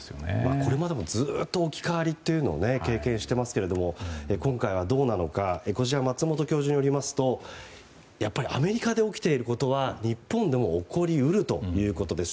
これまでもずっと置き換わりというのを経験していますが今回はどうなのか松本教授によりますとやっぱりアメリカで起きていることは日本でも起こり得るということです。